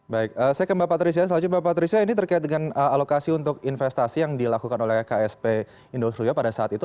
baik saya ke mbak patricia selanjutnya mbak patria ini terkait dengan alokasi untuk investasi yang dilakukan oleh ksp indosuria pada saat itu